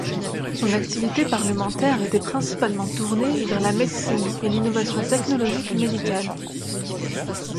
Son activité parlementaire étant principalement tourné vers la médecine et l'innovation technologique médicale.